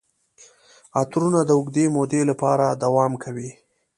عطرونه د اوږدې مودې لپاره دوام کوي.